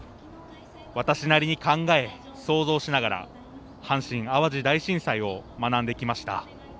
私なりに考え、想像しながら阪神・淡路大震災を学んできました。